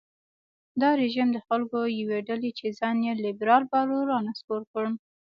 دا رژیم د خلکو یوې ډلې چې ځان یې لېبرال باله رانسکور کړ.